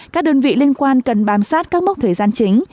các đơn vị liên quan cần bám sát các mốc thời gian chính